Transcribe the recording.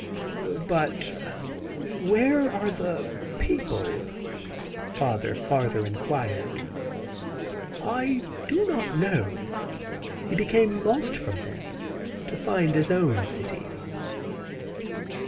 "But where are the people?" father farther inquired. "I do not know. He became lost again from them to find his own city."